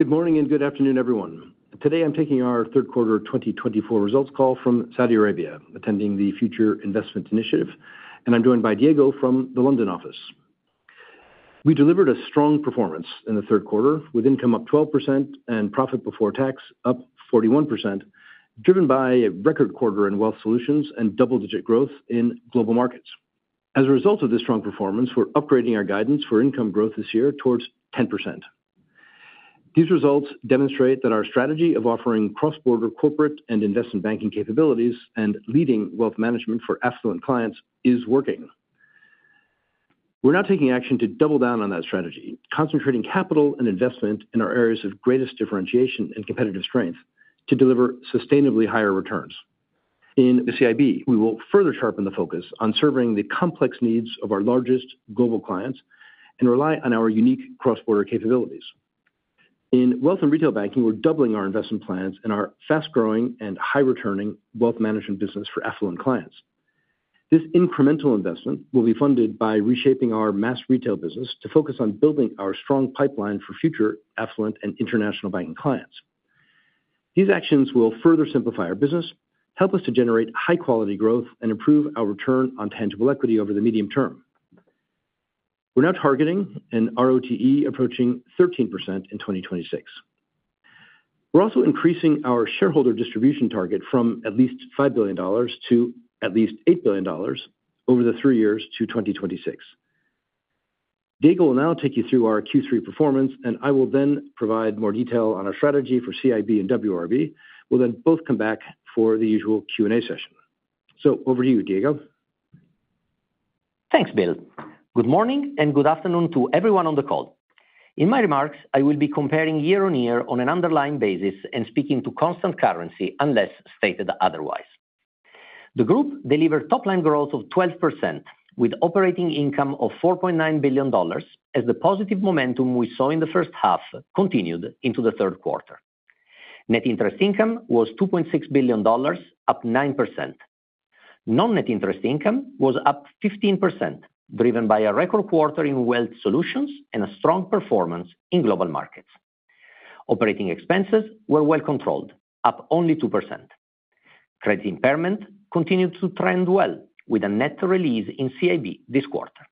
Good morning and good afternoon, everyone. Today I'm taking our third quarter 2024 results call from Saudi Arabia, attending the Future Investment Initiative, and I'm joined by Diego from the London office. We delivered a strong performance in the third quarter, with income up 12% and profit before tax up 41%, driven by a record quarter in Wealth Solutions and double-digit growth in Global Markets. As a result of this strong performance, we're upgrading our guidance for income growth this year towards 10%. These results demonstrate that our strategy of offering cross-border corporate and investment banking capabilities and leading wealth management for affluent clients is working. We're now taking action to double down on that strategy, concentrating capital and investment in our areas of greatest differentiation and competitive strength to deliver sustainably higher returns. In the CIB, we will further sharpen the focus on serving the complex needs of our largest global clients and rely on our unique cross-border capabilities. In Wealth and Retail Banking, we're doubling our investment plans in our fast-growing and high-returning wealth management business for affluent clients. This incremental investment will be funded by reshaping our mass retail business to focus on building our strong pipeline for future affluent and international banking clients. These actions will further simplify our business, help us to generate high-quality growth, and improve our return on tangible equity over the medium term. We're now targeting an ROTE approaching 13% in 2026. We're also increasing our shareholder distribution target from at least $5 billion to at least $8 billion over the three years to 2026. Diego will now take you through our Q3 performance, and I will then provide more detail on our strategy for CIB and WRB. We'll then both come back for the usual Q&A session. So, over to you, Diego. Thanks, Bill. Good morning and good afternoon to everyone on the call. In my remarks, I will be comparing year-on-year on an underlying basis and speaking to constant currency, unless stated otherwise. The Group delivered top-line growth of 12%, with operating income of $4.9 billion, as the positive momentum we saw in the first half continued into the third quarter. Net interest income was $2.6 billion, up 9%. Non-net interest income was up 15%, driven by a record quarter in Wealth Solutions and a strong performance in Global Markets. Operating expenses were well controlled, up only 2%. Credit impairment continued to trend well, with a net release in CIB this quarter.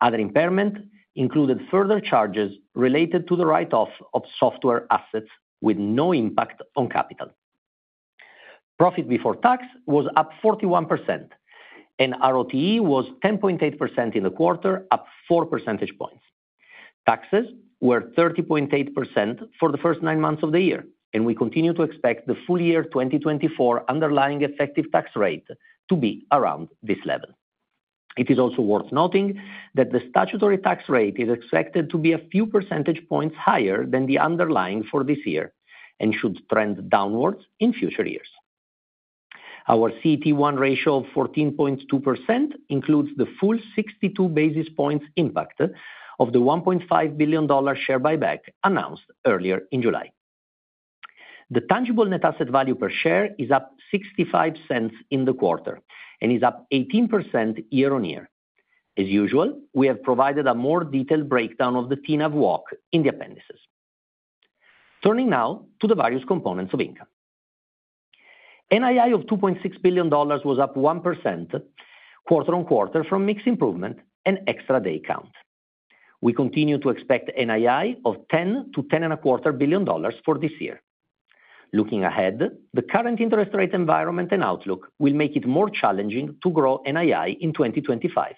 Other impairment included further charges related to the write-off of software assets, with no impact on capital. Profit before tax was up 41%, and ROTE was 10.8% in the quarter, up 4 percentage points. Taxes were 30.8% for the first nine months of the year, and we continue to expect the full year 2024 underlying effective tax rate to be around this level. It is also worth noting that the statutory tax rate is expected to be a few percentage points higher than the underlying for this year and should trend downwards in future years. Our CET1 ratio of 14.2% includes the full 62 basis points impact of the $1.5 billion share buyback announced earlier in July. The tangible net asset value per share is up $0.65 in the quarter and is up 18% year-on-year. As usual, we have provided a more detailed breakdown of the TNAV walk in the appendices. Turning now to the various components of income. NII of $2.6 billion was up 1% quarter-on-quarter from mixed improvement and extra day count. We continue to expect NII of $10 billion-$10.25 billion for this year. Looking ahead, the current interest rate environment and outlook will make it more challenging to grow NII in 2025.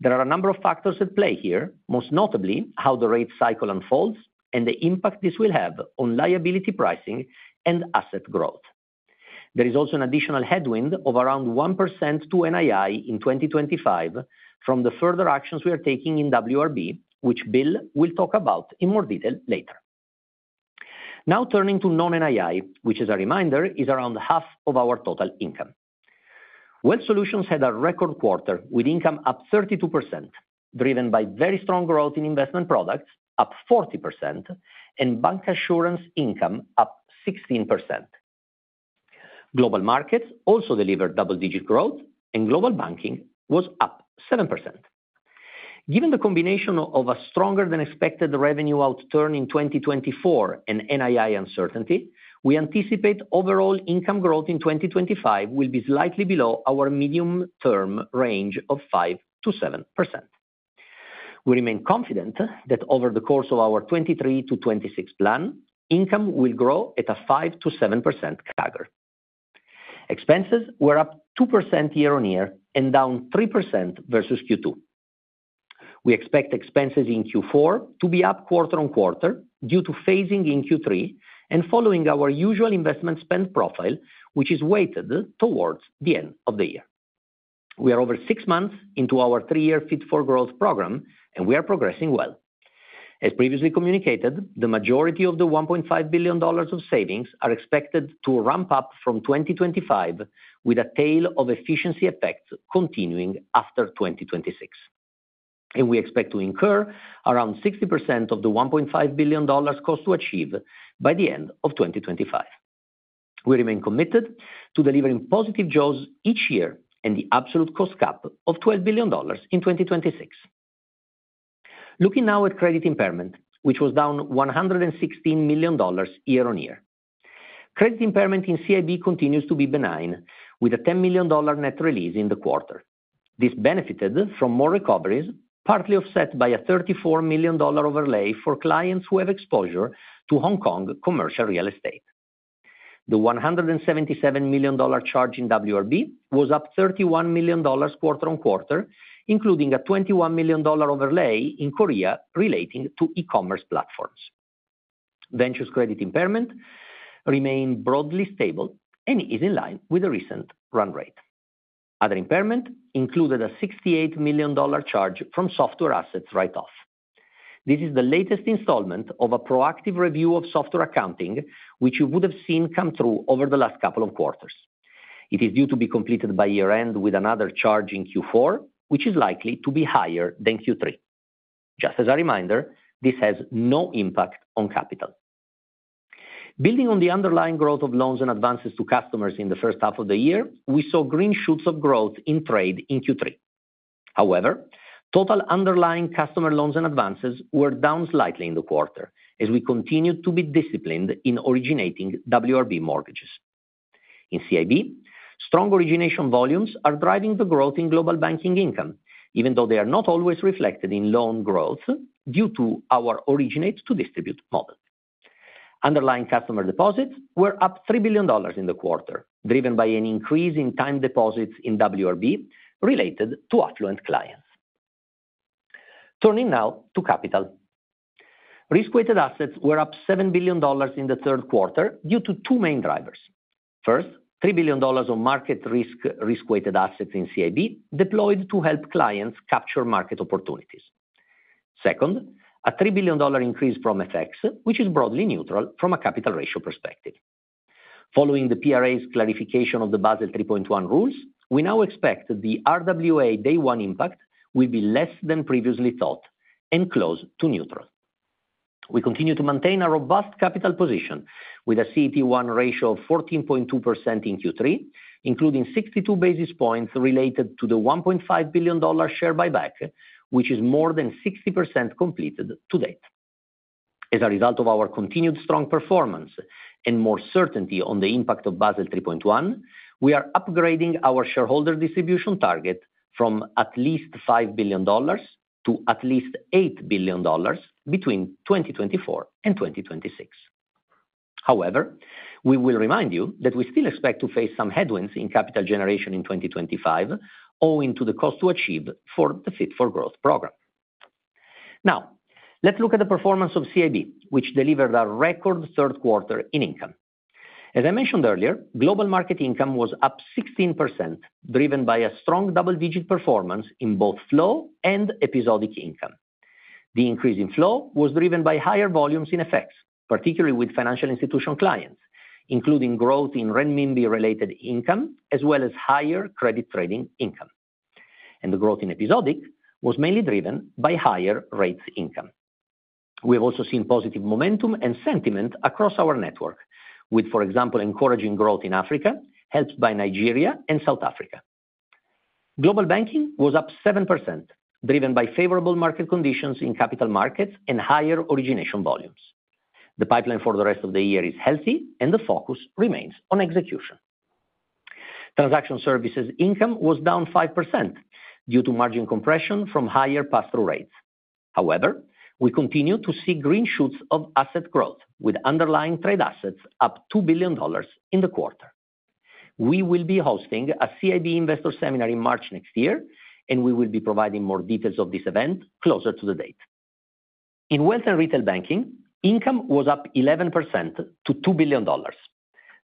There are a number of factors at play here, most notably how the rate cycle unfolds and the impact this will have on liability pricing and asset growth. There is also an additional headwind of around 1% to NII in 2025 from the further actions we are taking in WRB, which Bill will talk about in more detail later. Now turning to non-NII, which, as a reminder, is around half of our total income. Wealth Solutions had a record quarter with income up 32%, driven by very strong growth in investment products, up 40%, and bancassurance income up 16%. Global Markets also delivered double-digit growth, and Global Banking was up 7%. Given the combination of a stronger-than-expected revenue outturn in 2024 and NII uncertainty, we anticipate overall income growth in 2025 will be slightly below our medium-term range of 5%-7%. We remain confident that over the course of our 2023 to 2026 plan, income will grow at a 5%-7% CAGR. Expenses were up 2% year-on-year and down 3% versus Q2. We expect expenses in Q4 to be up quarter-on-quarter due to phasing in Q3 and following our usual investment spend profile, which is weighted towards the end of the year. We are over six months into our three-year Fit for Growth program, and we are progressing well. As previously communicated, the majority of the $1.5 billion of savings are expected to ramp up from 2025, with a tail of efficiency effects continuing after 2026. We expect to incur around 60% of the $1.5 billion cost to achieve by the end of 2025. We remain committed to delivering positive jaws each year and the absolute cost cap of $12 billion in 2026. Looking now at credit impairment, which was down $116 million year-on-year. Credit impairment in CIB continues to be benign, with a $10 million net release in the quarter. This benefited from more recoveries, partly offset by a $34 million overlay for clients who have exposure to Hong Kong commercial real estate. The $177 million charge in WRB was up $31 million quarter-on-quarter, including a $21 million overlay in Korea relating to e-commerce platforms. Ventures' credit impairment remained broadly stable and is in line with the recent run rate. Other impairment included a $68 million charge from software assets write-off. This is the latest installment of a proactive review of software accounting, which you would have seen come through over the last couple of quarters. It is due to be completed by year-end with another charge in Q4, which is likely to be higher than Q3. Just as a reminder, this has no impact on capital. Building on the underlying growth of loans and advances to customers in the first half of the year, we saw green shoots of growth in trade in Q3. However, total underlying customer loans and advances were down slightly in the quarter, as we continued to be disciplined in originating WRB mortgages. In CIB, strong origination volumes are driving the growth in Global Banking income, even though they are not always reflected in loan growth due to our originate-to-distribute model. Underlying customer deposits were up $3 billion in the quarter, driven by an increase in time deposits in WRB related to affluent clients. Turning now to capital. Risk-weighted assets were up $7 billion in the third quarter due to two main drivers. First, $3 billion of market risk-weighted assets in CIB deployed to help clients capture market opportunities. Second, a $3 billion increase from FX, which is broadly neutral from a capital ratio perspective. Following the PRA's clarification of the Basel 3.1 rules, we now expect the RWA day-one impact will be less than previously thought and close to neutral. We continue to maintain a robust capital position with a CET1 ratio of 14.2% in Q3, including 62 basis points related to the $1.5 billion share buyback, which is more than 60% completed to date. As a result of our continued strong performance and more certainty on the impact of Basel 3.1, we are upgrading our shareholder distribution target from at least $5 billion to at least $8 billion between 2024 and 2026. However, we will remind you that we still expect to face some headwinds in capital generation in 2025 owing to the cost to achieve for the Fit for Growth program. Now, let's look at the performance of CIB, which delivered a record third quarter in income. As I mentioned earlier, global market income was up 16%, driven by a strong double-digit performance in both flow and episodic income. The increase in flow was driven by higher volumes in FX, particularly with financial institution clients, including growth in renminbi-related income as well as higher credit trading income, and the growth in episodic was mainly driven by higher rates income. We have also seen positive momentum and sentiment across our network, with, for example, encouraging growth in Africa helped by Nigeria and South Africa. Global Banking was up 7%, driven by favorable market conditions in capital markets and higher origination volumes. The pipeline for the rest of the year is healthy, and the focus remains on execution. Transaction Services income was down 5% due to margin compression from higher pass-through rates. However, we continue to see green shoots of asset growth, with underlying trade assets up $2 billion in the quarter. We will be hosting a CIB Investor Seminar in March next year, and we will be providing more details of this event closer to the date. In wealth and retail banking, income was up 11% to $2 billion.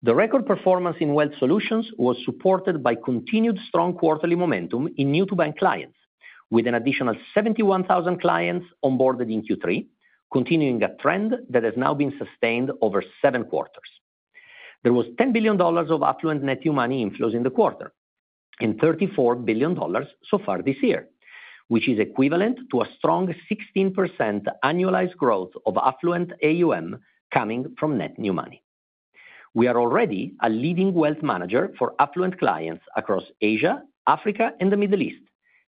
The record performance in Wealth Solutions was supported by continued strong quarterly momentum in new-to-bank clients, with an additional 71,000 clients onboarded in Q3, continuing a trend that has now been sustained over seven quarters. There was $10 billion of affluent net new money inflows in the quarter and $34 billion so far this year, which is equivalent to a strong 16% annualized growth of affluent AUM coming from net new money. We are already a leading wealth manager for affluent clients across Asia, Africa, and the Middle East,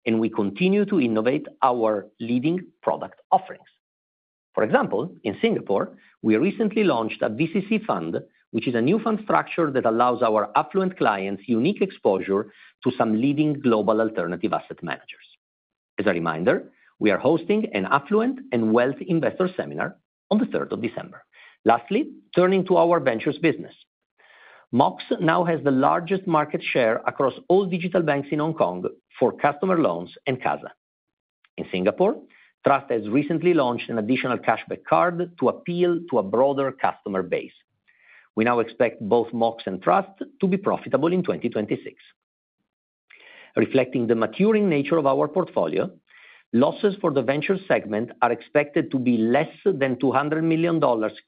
and we continue to innovate our leading product offerings. For example, in Singapore, we recently launched a VCC fund, which is a new fund structure that allows our affluent clients unique exposure to some leading global alternative asset managers. As a reminder, we are hosting an affluent and wealth investor seminar on the 3rd of December. Lastly, turning to our ventures business. Mox now has the largest market share across all digital banks in Hong Kong for customer loans and CASA. In Singapore, Trust has recently launched an additional cashback card to appeal to a broader customer base. We now expect both Mox and Trust to be profitable in 2026. Reflecting the maturing nature of our portfolio, losses for the venture segment are expected to be less than $200 million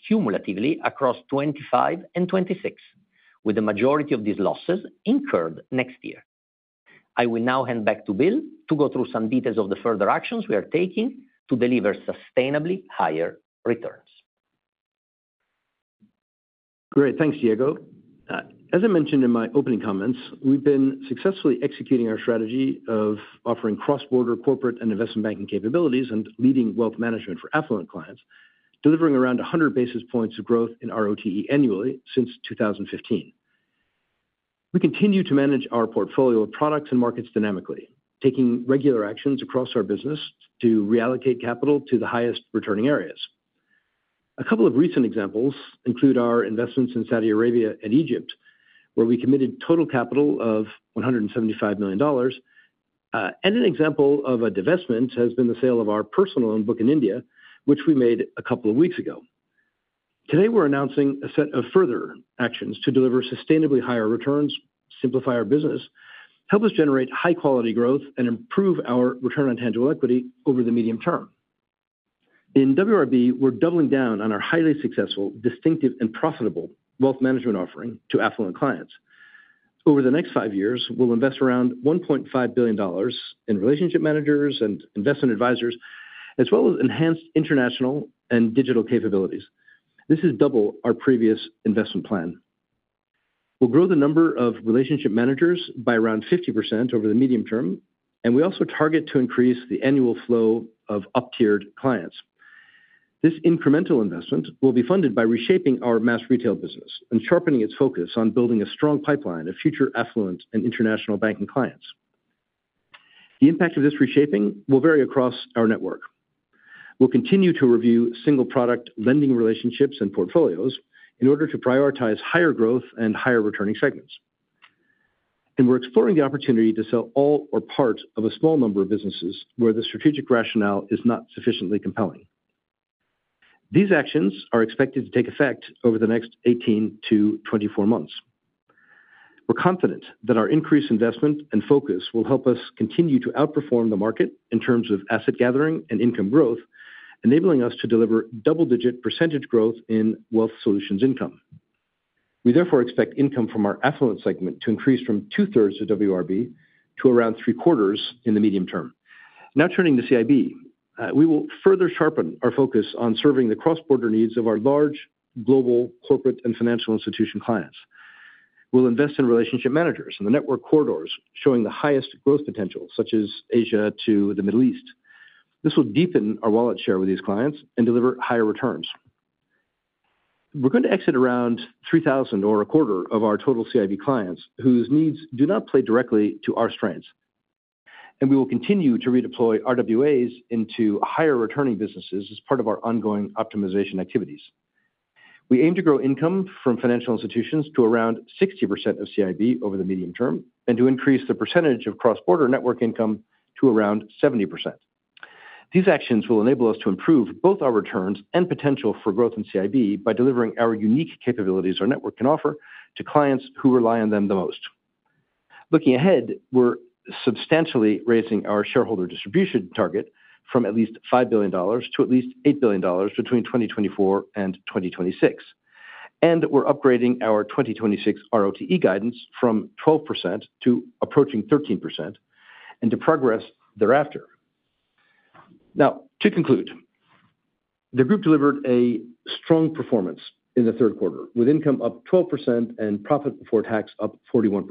cumulatively across 2025 and 2026, with the majority of these losses incurred next year. I will now hand back to Bill to go through some details of the further actions we are taking to deliver sustainably higher returns. Great. Thanks, Diego. As I mentioned in my opening comments, we've been successfully executing our strategy of offering cross-border corporate and investment banking capabilities and leading wealth management for affluent clients, delivering around 100 basis points of growth in ROTE annually since 2015. We continue to manage our portfolio of products and markets dynamically, taking regular actions across our business to reallocate capital to the highest returning areas. A couple of recent examples include our investments in Saudi Arabia and Egypt, where we committed total capital of $175 million, and an example of a divestment has been the sale of our personal loan book in India, which we made a couple of weeks ago. Today, we're announcing a set of further actions to deliver sustainably higher returns, simplify our business, help us generate high-quality growth, and improve our return on tangible equity over the medium term. In WRB, we're doubling down on our highly successful, distinctive, and profitable wealth management offering to affluent clients. Over the next five years, we'll invest around $1.5 billion in relationship managers and investment advisors, as well as enhanced international and digital capabilities. This is double our previous investment plan. We'll grow the number of relationship managers by around 50% over the medium term, and we also target to increase the annual flow of up-tiered clients. This incremental investment will be funded by reshaping our mass retail business and sharpening its focus on building a strong pipeline of future affluent and international banking clients. The impact of this reshaping will vary across our network. We'll continue to review single-product lending relationships and portfolios in order to prioritize higher growth and higher returning segments. We're exploring the opportunity to sell all or part of a small number of businesses where the strategic rationale is not sufficiently compelling. These actions are expected to take effect over the next 18-24 months. We're confident that our increased investment and focus will help us continue to outperform the market in terms of asset gathering and income growth, enabling us to deliver double-digit percentage growth in Wealth Solutions income. We, therefore, expect income from our affluent segment to increase from two-thirds of WRB to around three-quarters in the medium term. Now turning to CIB, we will further sharpen our focus on serving the cross-border needs of our large global corporate and financial institution clients. We'll invest in relationship managers and the network corridors showing the highest growth potential, such as Asia to the Middle East. This will deepen our wallet share with these clients and deliver higher returns. We're going to exit around 3,000 or a quarter of our total CIB clients, whose needs do not play directly to our strengths. And we will continue to redeploy RWAs into higher returning businesses as part of our ongoing optimization activities. We aim to grow income from financial institutions to around 60% of CIB over the medium term and to increase the percentage of cross-border network income to around 70%. These actions will enable us to improve both our returns and potential for growth in CIB by delivering our unique capabilities our network can offer to clients who rely on them the most. Looking ahead, we're substantially raising our shareholder distribution target from at least $5 billion to at least $8 billion between 2024 and 2026. We're upgrading our 2026 ROTE guidance from 12% to approaching 13% and to progress thereafter. Now, to conclude, the group delivered a strong performance in the third quarter, with income up 12% and profit before tax up 41%.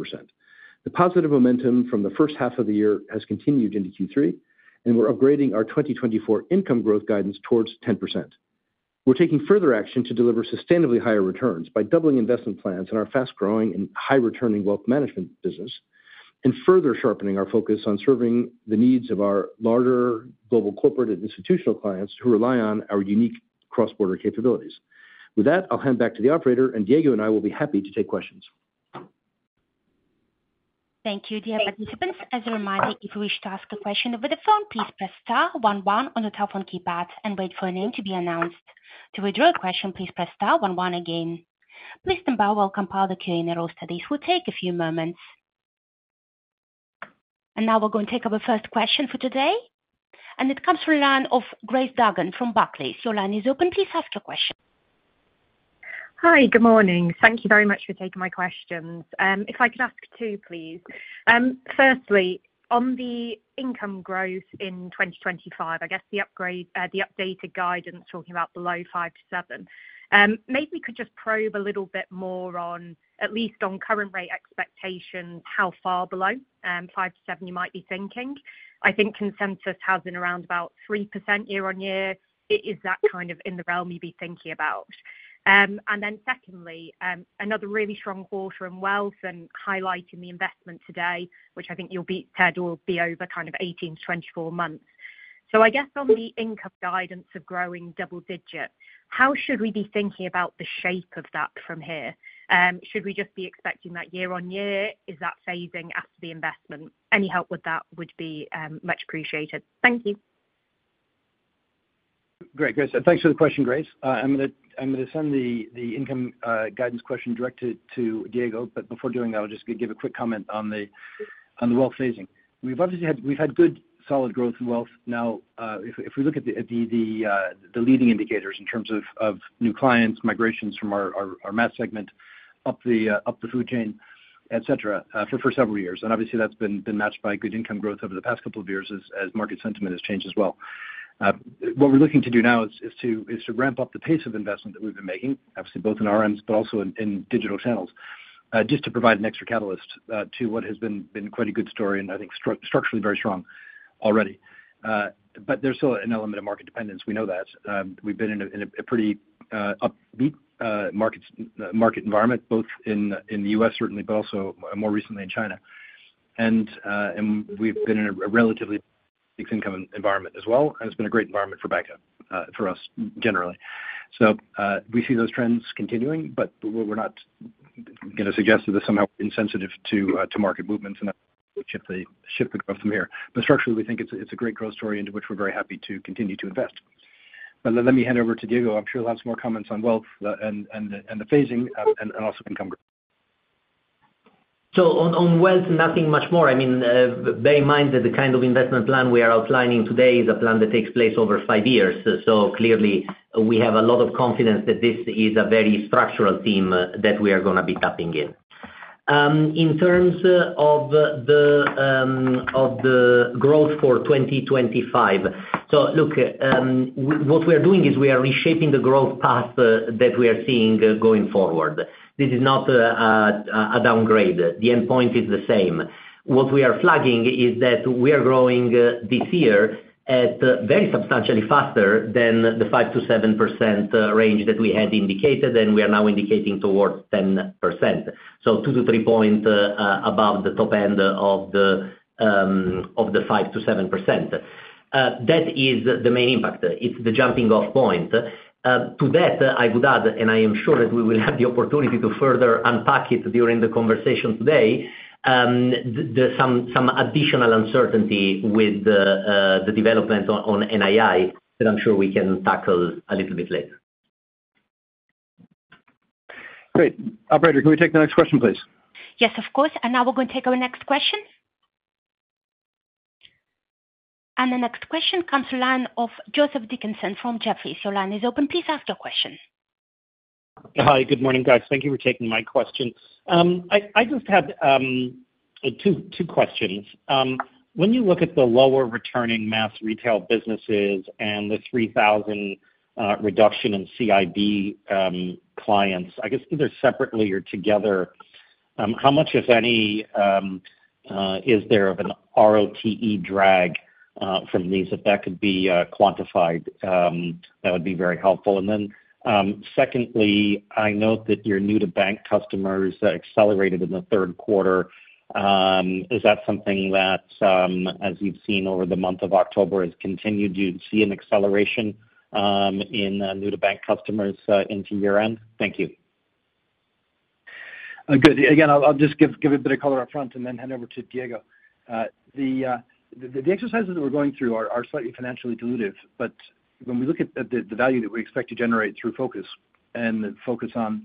The positive momentum from the first half of the year has continued into Q3, and we're upgrading our 2024 income growth guidance towards 10%. We're taking further action to deliver sustainably higher returns by doubling investment plans in our fast-growing and high-returning wealth management business and further sharpening our focus on serving the needs of our larger global corporate and institutional clients who rely on our unique cross-border capabilities. With that, I'll hand back to the operator, and Diego and I will be happy to take questions. Thank you. Dear participants, as a reminder, if you wish to ask a question over the phone, please press star one one on the telephone keypad and wait for a name to be announced. To withdraw a question, please press star one one again. Please stand by while we'll compile the Q&A roster. It will take a few moments, and now we're going to take up our first question for today, and it comes from the line of Grace Dargan from Barclays. Your line is open. Please ask your question. Hi, good morning. Thank you very much for taking my questions. If I could ask two, please. Firstly, on the income growth in 2025, I guess the updated guidance talking about below 5%-7%, maybe we could just probe a little bit more on, at least on current rate expectations, how far below 5%-7% you might be thinking. I think consensus has been around about 3% year-on-year. Is that kind of in the realm you'd be thinking about? And then secondly, another really strong quarter in wealth and highlighting the investment today, which I think you said will be over kind of 18-24 months. So I guess on the income guidance of growing double-digit, how should we be thinking about the shape of that from here? Should we just be expecting that year on year? Is that phasing after the investment? Any help with that would be much appreciated. Thank you. Great. Grace, thanks for the question, Grace. I'm going to send the income guidance question directly to Diego, but before doing that, I'll just give a quick comment on the wealth phasing. We've obviously had good solid growth in wealth. Now, if we look at the leading indicators in terms of new clients, migrations from our mass segment up the food chain, etc., for several years. And obviously, that's been matched by good income growth over the past couple of years as market sentiment has changed as well. What we're looking to do now is to ramp up the pace of investment that we've been making, obviously both in RMs, but also in digital channels, just to provide an extra catalyst to what has been quite a good story and I think structurally very strong already. But there's still an element of market dependence. We know that. We've been in a pretty upbeat market environment, both in the U.S., certainly, but also more recently in China. And we've been in a relatively fixed income environment as well. And it's been a great environment for backup for us generally. So we see those trends continuing, but we're not going to suggest that somehow we're insensitive to market movements and that we should shift the growth from here. But structurally, we think it's a great growth story into which we're very happy to continue to invest. But let me hand over to Diego. I'm sure he'll have some more comments on wealth and the phasing and also income growth. So on wealth, nothing much more. I mean, bear in mind that the kind of investment plan we are outlining today is a plan that takes place over five years. So clearly, we have a lot of confidence that this is a very structural theme that we are going to be tapping in. In terms of the growth for 2025, so look, what we are doing is we are reshaping the growth path that we are seeing going forward. This is not a downgrade. The endpoint is the same. What we are flagging is that we are growing this year at very substantially faster than the 5%-7% range that we had indicated, and we are now indicating towards 10%. So two to three points above the top end of the 5%-7%. That is the main impact. It's the jumping-off point. To that, I would add, and I am sure that we will have the opportunity to further unpack it during the conversation today, some additional uncertainty with the development on NII that I'm sure we can tackle a little bit later. Great. Operator, can we take the next question, please? Yes, of course. Now we're going to take our next question. The next question comes from the line of Joseph Dickerson from Jefferies. Your line is open. Please ask your question. Hi, good morning, guys. Thank you for taking my question. I just had two questions. When you look at the lower returning mass retail businesses and the 3,000 reduction in CIB clients, I guess either separately or together, how much, if any, is there of an ROTE drag from these? If that could be quantified, that would be very helpful. And then secondly, I note that your new-to-bank customers accelerated in the third quarter. Is that something that, as you've seen over the month of October, has continued? Do you see an acceleration in new-to-bank customers into year-end? Thank you. Good. Again, I'll just give a bit of color upfront and then hand over to Diego. The exercises that we're going through are slightly financially dilutive, but when we look at the value that we expect to generate through focus and the focus on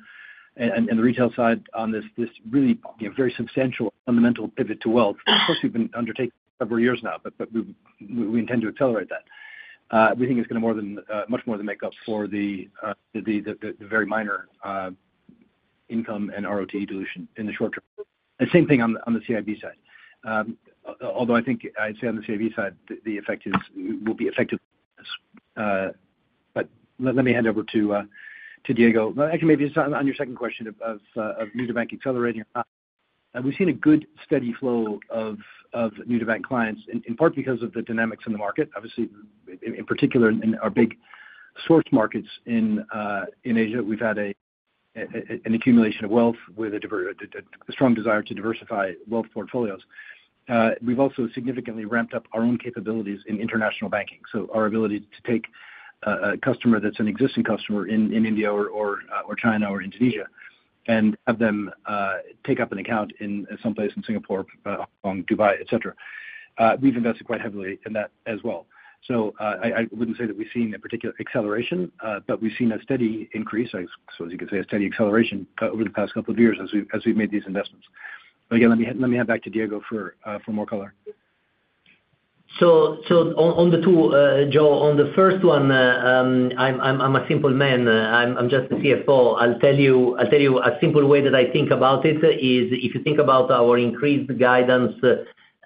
the retail side on this really very substantial fundamental pivot to wealth, of course, we've been undertaking several years now, but we intend to accelerate that. We think it's going to more than much more than make up for the very minor income and ROTE dilution in the short term. And same thing on the CIB side. Although I think I'd say on the CIB side, the effect will be effective. But let me hand over to Diego. Actually, maybe it's on your second question of new-to-bank accelerating or not. We've seen a good steady flow of new-to-bank clients, in part because of the dynamics in the market. Obviously, in particular, in our big source markets in Asia, we've had an accumulation of wealth with a strong desire to diversify wealth portfolios. We've also significantly ramped up our own capabilities in international banking. So our ability to take a customer that's an existing customer in India or China or Indonesia and have them take up an account in someplace in Singapore, Hong Kong, Dubai, etc., we've invested quite heavily in that as well. So I wouldn't say that we've seen a particular acceleration, but we've seen a steady increase, I suppose you could say a steady acceleration over the past couple of years as we've made these investments, but again, let me hand back to Diego for more color. So on the two, Joe, on the first one, I'm a simple man. I'm just the CFO. I'll tell you a simple way that I think about it is if you think about our increased guidance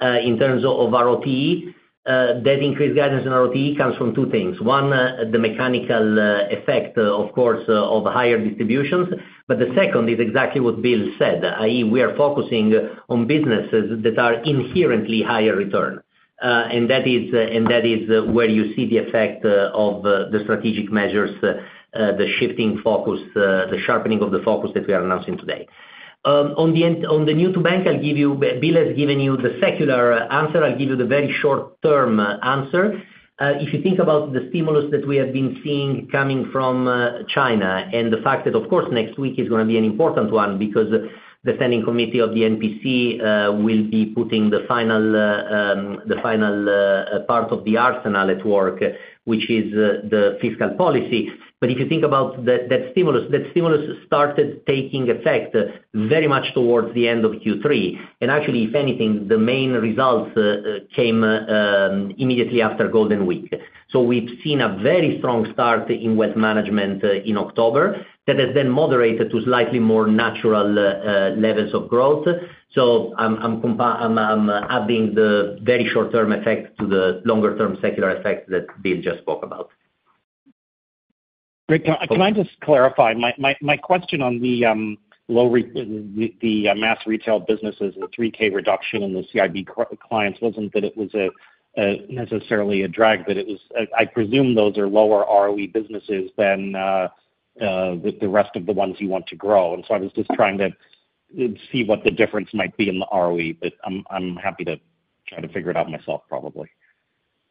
in terms of ROTE, that increased guidance in ROTE comes from two things. One, the mechanical effect, of course, of higher distributions. But the second is exactly what Bill said, i.e., we are focusing on businesses that are inherently higher return. And that is where you see the effect of the strategic measures, the shifting focus, the sharpening of the focus that we are announcing today. On the new-to-bank, Bill has given you the secular answer. I'll give you the very short-term answer. If you think about the stimulus that we have been seeing coming from China and the fact that, of course, next week is going to be an important one because the Standing Committee of the NPC will be putting the final part of the arsenal at work, which is the fiscal policy. But if you think about that stimulus, that stimulus started taking effect very much towards the end of Q3. And actually, if anything, the main results came immediately after Golden Week. So we've seen a very strong start in wealth management in October that has then moderated to slightly more natural levels of growth. So I'm adding the very short-term effect to the longer-term secular effect that Bill just spoke about. Great. Can I just clarify? My question on the mass retail businesses, the 3K reduction in the CIB clients wasn't that it was necessarily a drag, but it was I presume those are lower ROE businesses than the rest of the ones you want to grow. And so I was just trying to see what the difference might be in the ROE, but I'm happy to try to figure it out myself, probably.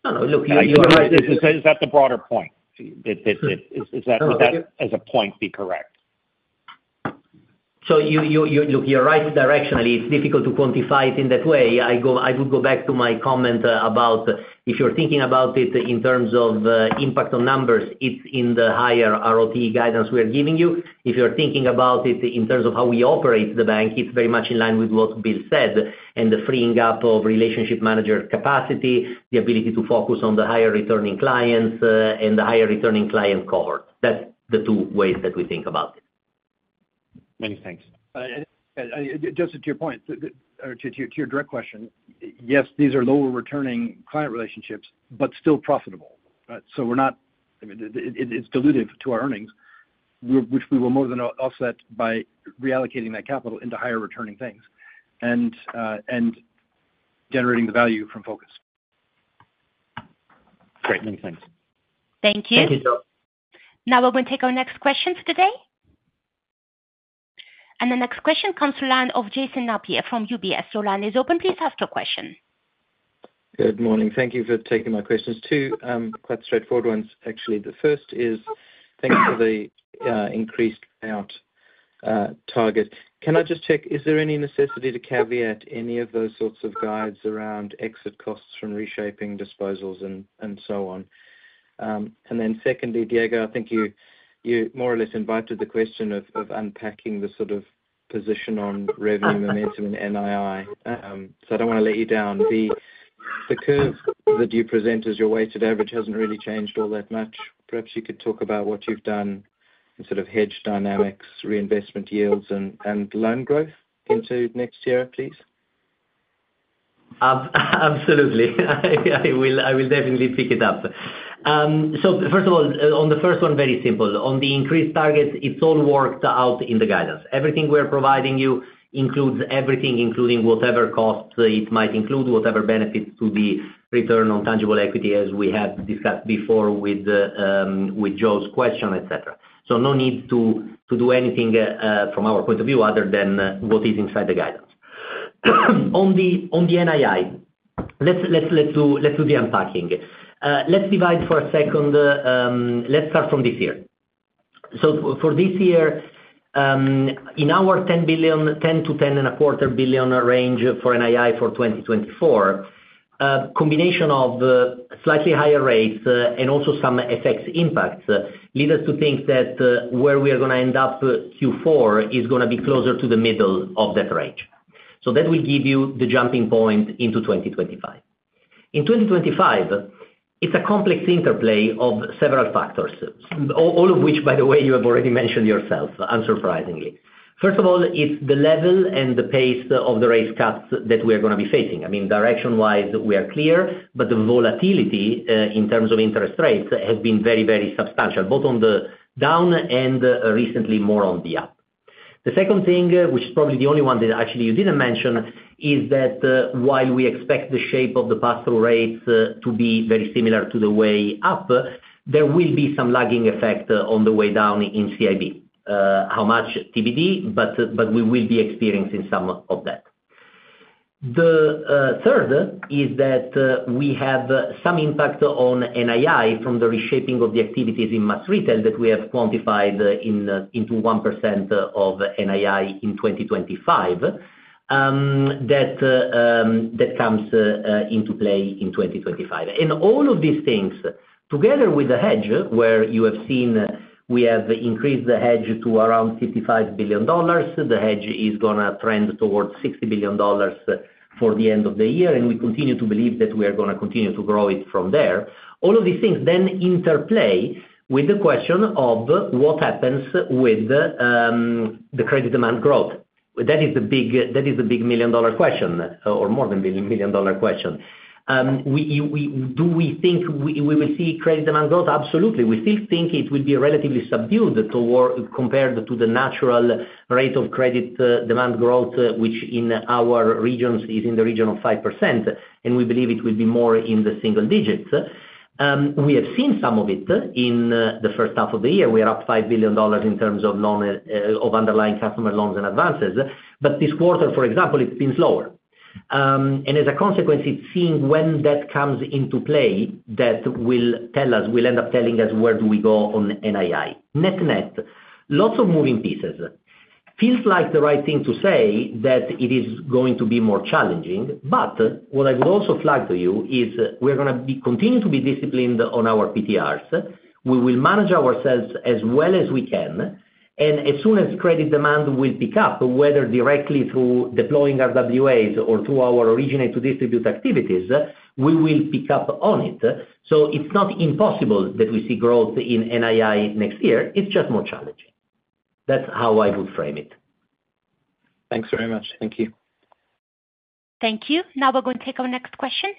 Look, you're right. Is that the broader point? Does that, as a point, be correct? So look, you're right directionally. It's difficult to quantify it in that way. I would go back to my comment about if you're thinking about it in terms of impact on numbers, it's in the higher ROTE guidance we are giving you. If you're thinking about it in terms of how we operate the bank, it's very much in line with what Bill said and the freeing up of relationship manager capacity, the ability to focus on the higher returning clients and the higher returning client core. That's the two ways that we think about it. Many thanks. Just to your point, or to your direct question, yes, these are lower returning client relationships, but still profitable. So it's dilutive to our earnings, which we will more than offset by reallocating that capital into higher returning things and generating the value from focus. Great. Many thanks. Thank you. Thank you, Joe. Now we're going to take our next questions today. And the next question comes from Jason Napier from UBS. Your line is open. Please ask your question. Good morning. Thank you for taking my questions. Two quite straightforward ones. Actually, the first is thanks for the increased payout target. Can I just check? Is there any necessity to caveat any of those sorts of guides around exit costs from reshaping disposals and so on? And then secondly, Diego, I think you more or less invited the question of unpacking the sort of position on revenue momentum in NII. So I don't want to let you down. The curve that you present as your weighted average hasn't really changed all that much. Perhaps you could talk about what you've done in sort of hedge dynamics, reinvestment yields, and loan growth into next year, please. Absolutely. I will definitely pick it up. So first of all, on the first one, very simple. On the increased targets, it's all worked out in the guidance. Everything we are providing you includes everything, including whatever costs it might include, whatever benefits to the return on tangible equity, as we have discussed before with Joe's question, etc. So no need to do anything from our point of view other than what is inside the guidance. On the NII, let's do the unpacking. Let's divide for a second. Let's start from this year. So for this year, in our $10 billion-$10.25 billion range for NII for 2024, a combination of slightly higher rates and also some FX impacts leads us to think that where we are going to end up Q4 is going to be closer to the middle of that range. So that will give you the jumping point into 2025. In 2025, it's a complex interplay of several factors, all of which, by the way, you have already mentioned yourself, unsurprisingly. First of all, it's the level and the pace of the rate cuts that we are going to be facing. I mean, direction-wise, we are clear, but the volatility in terms of interest rates has been very, very substantial, both on the down and recently more on the up. The second thing, which is probably the only one that actually you didn't mention, is that while we expect the shape of the pass-through rates to be very similar to the way up, there will be some lagging effect on the way down in CIB, how much TBD, but we will be experiencing some of that. The third is that we have some impact on NII from the reshaping of the activities in mass retail that we have quantified into 1% of NII in 2025 that comes into play in 2025. And all of these things, together with the hedge, where you have seen we have increased the hedge to around $55 billion, the hedge is going to trend towards $60 billion for the end of the year, and we continue to believe that we are going to continue to grow it from there. All of these things then interplay with the question of what happens with the credit demand growth. That is the big million-dollar question or more than million-dollar question. Do we think we will see credit demand growth? Absolutely. We still think it will be relatively subdued compared to the natural rate of credit demand growth, which in our regions is in the region of 5%, and we believe it will be more in the single digits. We have seen some of it in the first half of the year. We are up $5 billion in terms of underlying customer loans and advances, but this quarter, for example, it's been slower, and as a consequence, it's seeing when that comes into play that will tell us, will end up telling us where do we go on NII. Net net, lots of moving pieces. Feels like the right thing to say that it is going to be more challenging, but what I would also flag to you is we are going to continue to be disciplined on our PTRs. We will manage ourselves as well as we can. And as soon as credit demand will pick up, whether directly through deploying RWAs or through our originate-to-distribute activities, we will pick up on it. So it's not impossible that we see growth in NII next year. It's just more challenging. That's how I would frame it. Thanks very much. Thank you. Thank you. Now we're going to take our next question.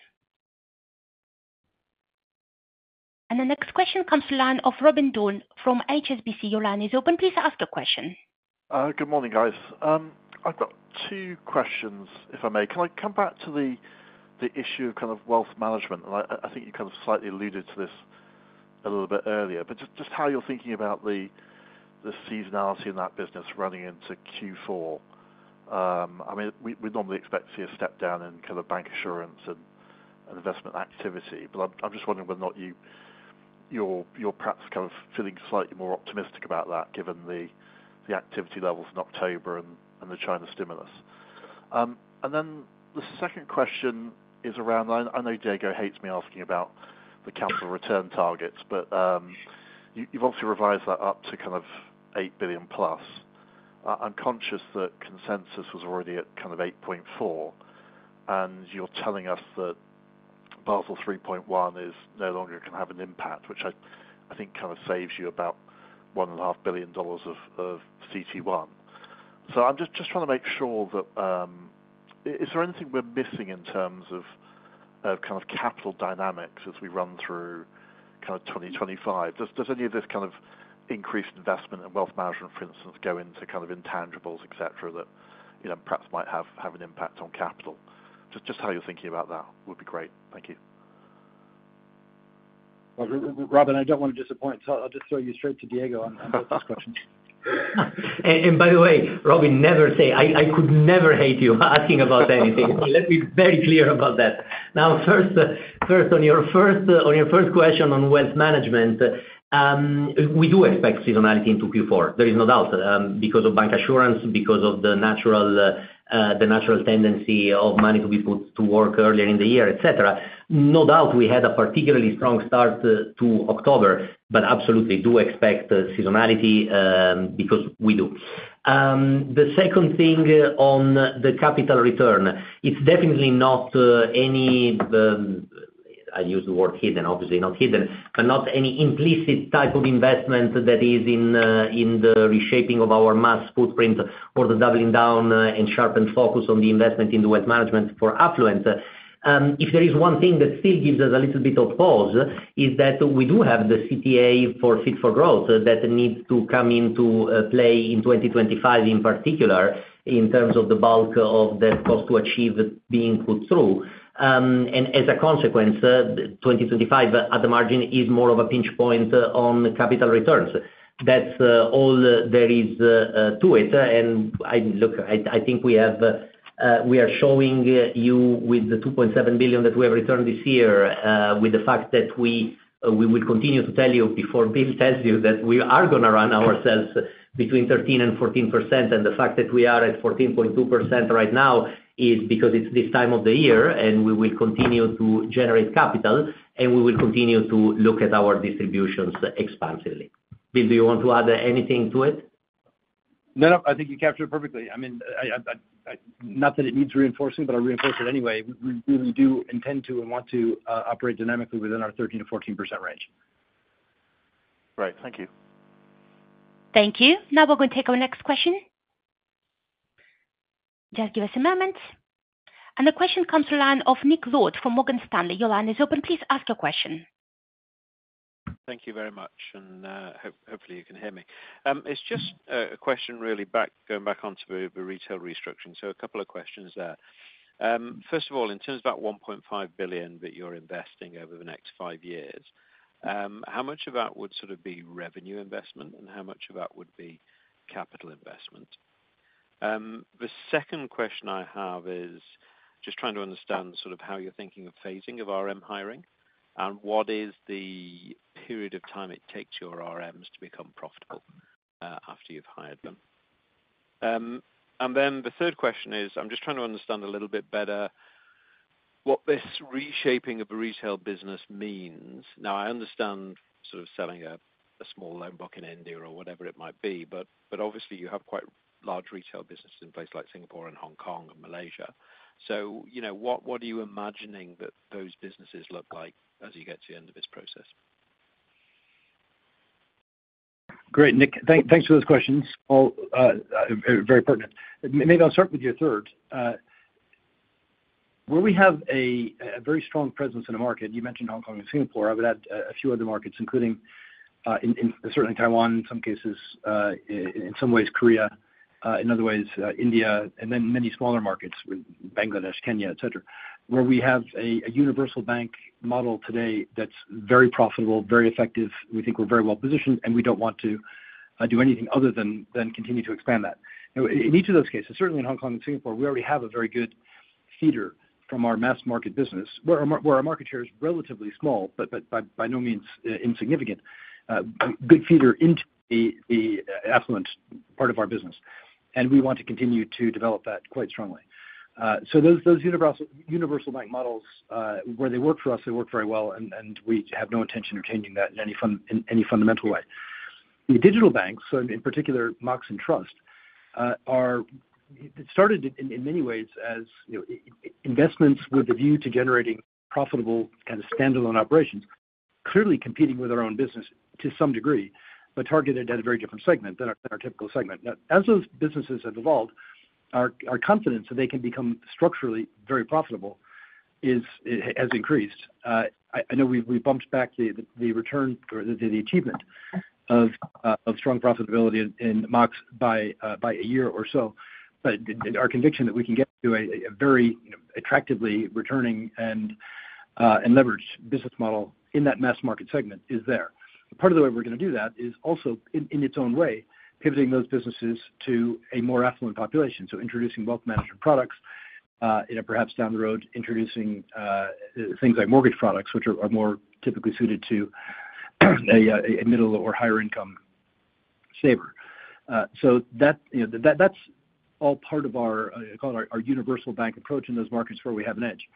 And the next question comes from the line of Robin Down from HSBC. Your line is open. Please ask your question. Good morning, guys. I've got two questions, if I may. Can I come back to the issue of kind of wealth management? And I think you kind of slightly alluded to this a little bit earlier, but just how you're thinking about the seasonality in that business running into Q4. I mean, we normally expect to see a step down in kind of bancassurance and investment activity, but I'm just wondering whether or not you're perhaps kind of feeling slightly more optimistic about that given the activity levels in October and the China stimulus. And then the second question is around, I know Diego hates me asking about the capital return targets, but you've obviously revised that up to kind of $8 billion plus. I'm conscious that consensus was already at kind of $8.4 billion, and you're telling us that Basel 3.1 is no longer can have an impact, which I think kind of saves you about $1.5 billion of CET1. So I'm just trying to make sure that is there anything we're missing in terms of kind of capital dynamics as we run through kind of 2025? Does any of this kind of increased investment and wealth management, for instance, go into kind of intangibles, etc., that perhaps might have an impact on capital? Just how you're thinking about that would be great. Thank you. Robin, I don't want to disappoint, so I'll just throw you straight to Diego on both those questions. And by the way, Robin, never say I could never hate you asking about anything. Let me be very clear about that. Now, first, on your first question on wealth management, we do expect seasonality into Q4. There is no doubt because of bancassurance, because of the natural tendency of money to be put to work earlier in the year, etc. No doubt we had a particularly strong start to October, but absolutely do expect seasonality because we do. The second thing on the capital return, it's definitely not any. I'll use the word hidden, obviously not hidden, but not any implicit type of investment that is in the reshaping of our mass footprint or the doubling down and sharpened focus on the investment in the wealth management for affluent. If there is one thing that still gives us a little bit of pause, it's that we do have the CTA for Fit for Growth that needs to come into play in 2025 in particular in terms of the bulk of that cost to achieve being put through. And as a consequence, 2025 at the margin is more of a pinch point on capital returns. That's all there is to it. And look, I think we are showing you with the $2.7 billion that we have returned this year, with the fact that we will continue to tell you before Bill tells you that we are going to run ourselves between 13% and 14%. And the fact that we are at 14.2% right now is because it's this time of the year, and we will continue to generate capital, and we will continue to look at our distributions expansively. Bill, do you want to add anything to it? No, no. I think you captured it perfectly. I mean, not that it needs reinforcing, but I reinforce it anyway. We really do intend to and want to operate dynamically within our 13%-14% range. Great. Thank you. Thank you. Now we're going to take our next question. Just give us a moment, and the question comes from the line of Nick Lord from Morgan Stanley. Your line is open. Please ask your question. Thank you very much. And hopefully, you can hear me. It's just a question really going back onto the retail restructuring. So a couple of questions there. First of all, in terms of that $1.5 billion that you're investing over the next five years, how much of that would sort of be revenue investment, and how much of that would be capital investment? The second question I have is just trying to understand sort of how you're thinking of phasing of RM hiring and what is the period of time it takes your RMs to become profitable after you've hired them. And then the third question is I'm just trying to understand a little bit better what this reshaping of a retail business means. Now, I understand sort of selling a small loan book in India or whatever it might be, but obviously, you have quite large retail businesses in places like Singapore and Hong Kong and Malaysia. So what are you imagining that those businesses look like as you get to the end of this process? Great. Nick, thanks for those questions. Very pertinent. Maybe I'll start with your third. Where we have a very strong presence in a market, you mentioned Hong Kong and Singapore. I would add a few other markets, including certainly Taiwan in some cases, in some ways Korea, in other ways India, and then many smaller markets with Bangladesh, Kenya, etc., where we have a universal bank model today that's very profitable, very effective. We think we're very well positioned, and we don't want to do anything other than continue to expand that. In each of those cases, certainly in Hong Kong and Singapore, we already have a very good feeder from our mass market business, where our market share is relatively small, but by no means insignificant, a good feeder into the affluent part of our business, and we want to continue to develop that quite strongly. So those universal bank models, where they work for us, they work very well, and we have no intention of changing that in any fundamental way. The digital banks, in particular, Mox and Trust, started in many ways as investments with a view to generating profitable kind of standalone operations, clearly competing with our own business to some degree, but targeted at a very different segment than our typical segment. Now, as those businesses have evolved, our confidence that they can become structurally very profitable has increased. I know we've bumped back the return or the achievement of strong profitability in Mox by a year or so, but our conviction that we can get to a very attractively returning and leveraged business model in that mass market segment is there. Part of the way we're going to do that is also, in its own way, pivoting those businesses to a more affluent population, so introducing wealth management products and perhaps down the road introducing things like mortgage products, which are more typically suited to a middle or higher-income saver. So that's all part of our universal bank approach in those markets where we have an edge.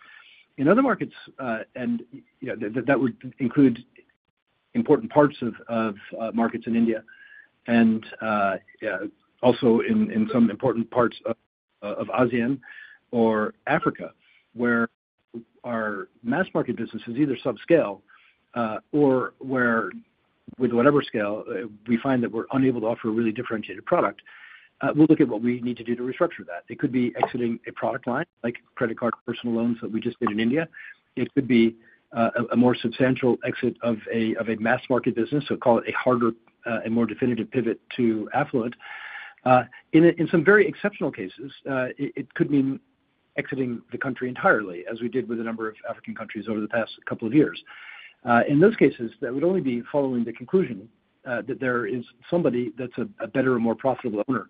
In other markets, and that would include important parts of markets in India and also in some important parts of ASEAN or Africa, where our mass market business is either subscale or where, with whatever scale, we find that we're unable to offer a really differentiated product, we'll look at what we need to do to restructure that. It could be exiting a product line like credit card personal loans that we just did in India. It could be a more substantial exit of a mass market business, so call it a harder and more definitive pivot to affluent. In some very exceptional cases, it could mean exiting the country entirely, as we did with a number of African countries over the past couple of years. In those cases, that would only be following the conclusion that there is somebody that's a better and more profitable owner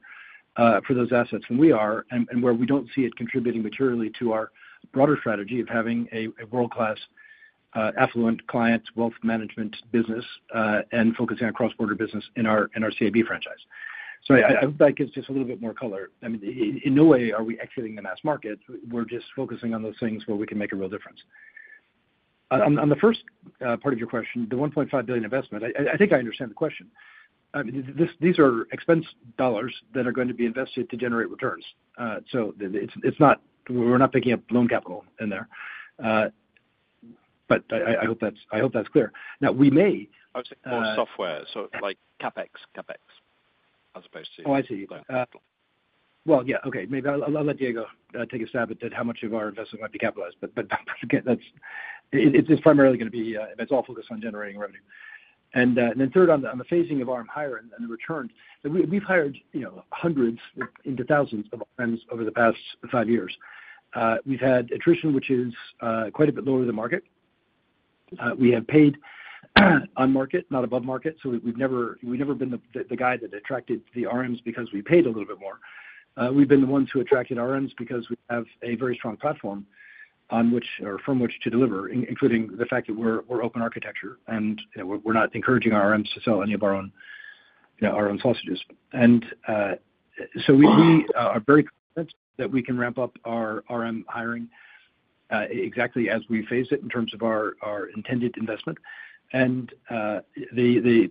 for those assets than we are, and where we don't see it contributing materially to our broader strategy of having a world-class affluent client wealth management business and focusing on cross-border business in our CIB franchise. So I hope that gives just a little bit more color. I mean, in no way are we exiting the mass market. We're just focusing on those things where we can make a real difference. On the first part of your question, the $1.5 billion investment, I think I understand the question. These are expense dollars that are going to be invested to generate returns. So we're not picking up loan capital in there. But I hope that's clear. Now, we may. I was thinking more software, so like CapEx, as opposed to. Oh, I see. Well, yeah. Okay. Maybe I'll let Diego take a stab at how much of our investment might be capitalized, but it's primarily going to be all focused on generating revenue. And then third, on the phasing of RM hiring and the returns, we've hired hundreds into thousands of RMs over the past five years. We've had attrition, which is quite a bit lower than market. We have paid on market, not above market. So we've never been the guy that attracted the RMs because we paid a little bit more. We've been the ones who attracted RMs because we have a very strong platform from which to deliver, including the fact that we're open architecture and we're not encouraging RMs to sell any of our own sausages. And so we are very confident that we can ramp up our RM hiring exactly as we phase it in terms of our intended investment. And the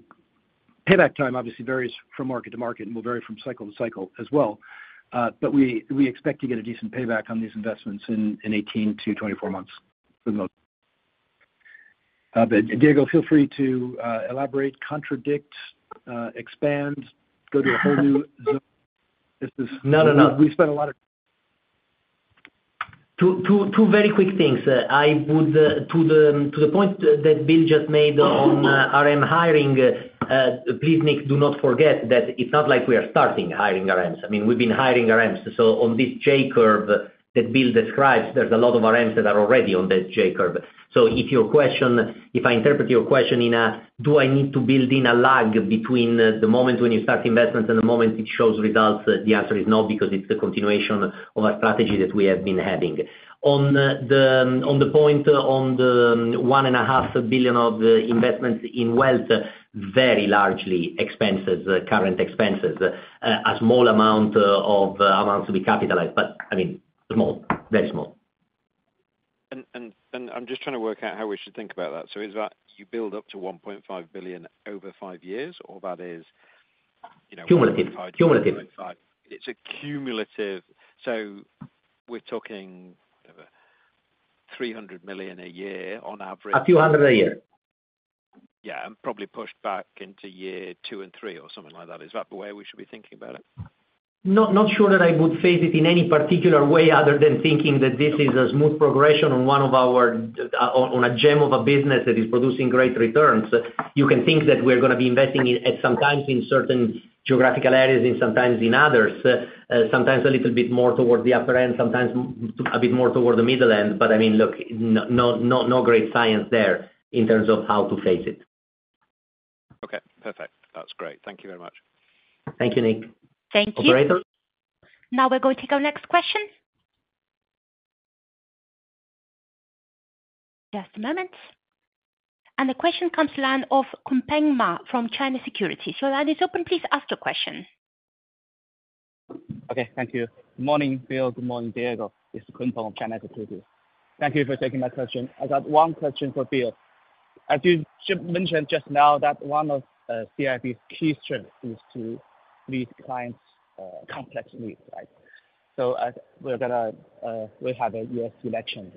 payback time, obviously, varies from market to market and will vary from cycle to cycle as well. But we expect to get a decent payback on these investments in 18-24 months for the most part. But Diego, feel free to elaborate, contradict, expand, go to a whole new zone. This is. No, no, no. We spent a lot of. Two very quick things. To the point that Bill just made on RM hiring, please, Nick, do not forget that it's not like we are starting hiring RMs. I mean, we've been hiring RMs. So on this J curve that Bill describes, there's a lot of RMs that are already on that J curve. So if your question, if I interpret your question in a, do I need to build in a lag between the moment when you start investments and the moment it shows results, the answer is no because it's the continuation of our strategy that we have been having. On the point on the $1.5 billion of investments in wealth, very largely expenses, current expenses, a small amount of amounts to be capitalized, but I mean, small, very small. And I'm just trying to work out how we should think about that. So is that you build up to $1.5 billion over five years, or that is. Cumulative. It's a cumulative. So we're talking $300 million a year on average. A few hundred a year. Yeah, and probably pushed back into year two and three or something like that. Is that the way we should be thinking about it? Not sure that I would phase it in any particular way other than thinking that this is a smooth progression on one of our a gem of a business that is producing great returns. You can think that we're going to be investing at some times in certain geographical areas and sometimes in others, sometimes a little bit more towards the upper end, sometimes a bit more towards the middle end. But I mean, look, no great science there in terms of how to phase it. Okay. Perfect. That's great. Thank you very much. Thank you, Nick. Thank you. Now we're going to take our next question. Just a moment, and the question comes to the line of Kunpeng Ma from China Securities. Your line is open. Please ask your question. Okay. Thank you. Good morning, Bill. Good morning, Diego. This is Kunpeng Ma from China Securities. Thank you for taking my question. I got one question for Bill. As you mentioned just now, that one of CIB's key strengths is to meet clients' complex needs, right? So we have a US election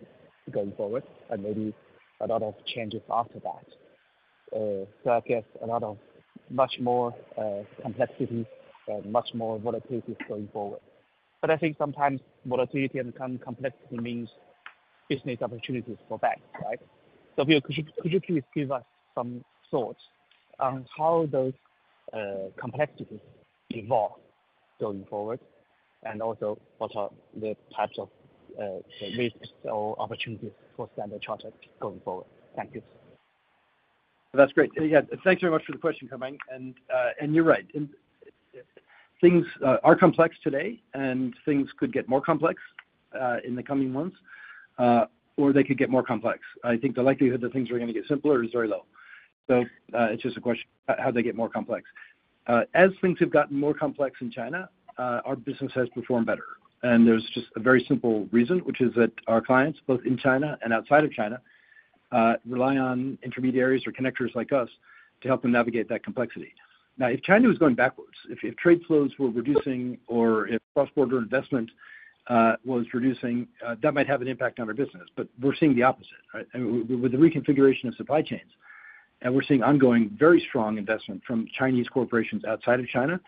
going forward and maybe a lot of changes after that. So I guess a lot of much more complexity and much more volatility going forward. But I think sometimes volatility and complexity means business opportunities for banks, right? So Bill, could you please give us some thoughts on how those complexities evolve going forward and also what are the types of risks or opportunities for Standard Chartered going forward? Thank you. That's great. Yeah. Thanks very much for the question, Kunpeng Ma. And you're right. Things are complex today, and things could get more complex in the coming months, or they could get more complex. I think the likelihood that things are going to get simpler is very low. So it's just a question of how they get more complex. As things have gotten more complex in China, our business has performed better. And there's just a very simple reason, which is that our clients, both in China and outside of China, rely on intermediaries or connectors like us to help them navigate that complexity. Now, if China was going backwards, if trade flows were reducing or if cross-border investment was reducing, that might have an impact on our business. But we're seeing the opposite, right? With the reconfiguration of supply chains, and we're seeing ongoing very strong investment from Chinese corporations outside of China,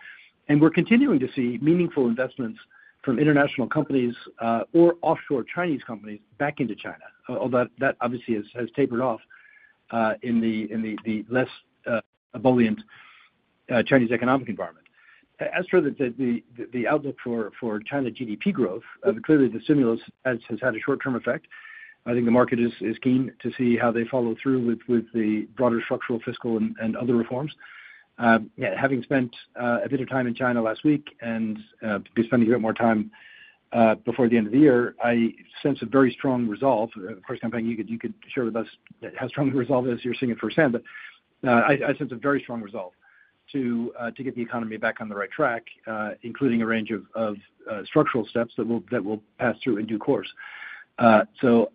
and we're continuing to see meaningful investments from international companies or offshore Chinese companies back into China, although that obviously has tapered off in the less robust Chinese economic environment. As for the outlook for China's GDP growth, clearly the stimulus has had a short-term effect. I think the market is keen to see how they follow through with the broader structural fiscal and other reforms. Having spent a bit of time in China last week and spending a bit more time before the end of the year, I sense a very strong resolve. Of course, Kunpeng, you could share with us how strong the resolve is. You're seeing it firsthand. But I sense a very strong resolve to get the economy back on the right track, including a range of structural steps that we'll pass through in due course. So yeah,